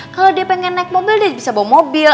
kalau dia pengen naik mobil dia bisa bawa mobil